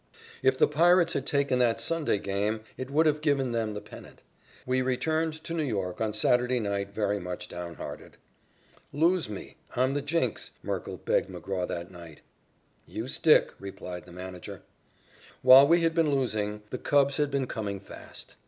If the Pirates had taken that Sunday game, it would have given them the pennant. We returned to New York on Saturday night very much downhearted. "Lose me. I'm the jinx," Merkle begged McGraw that night. "You stick," replied the manager. While we had been losing, the Cubs had been coming fast.